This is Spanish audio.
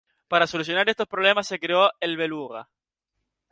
Para solucionar estos problemas se creó el Beluga.